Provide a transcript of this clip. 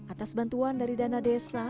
atas bantuan dari dana desa